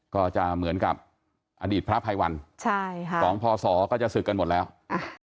ก็จะเหมือนกับอดีตพระภัยวันใช่ค่ะสองพศก็จะศึกกันหมดแล้วอ่า